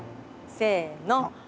せの。